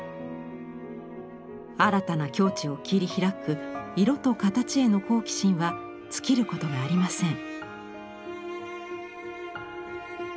新たな境地を切り開く色と形への好奇心は尽きることがありません。